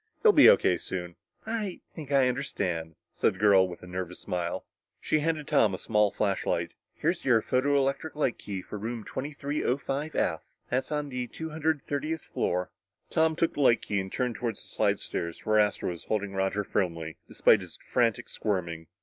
"He'll be O.K. soon." "I think I understand," said the girl with a nervous smile. She handed Tom a small flashlight. "Here's your photoelectric light key for room 2305 F. That's on the two hundred thirtieth floor." Tom took the light key and turned toward the slidestairs where Astro was holding Roger firmly, despite his frantic squirming.